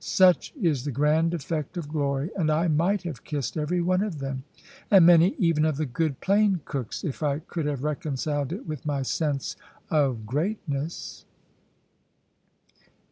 Such is the grand effect of glory; and I might have kissed every one of them, and many even of the good plain cooks, if I could have reconciled it with my sense of greatness.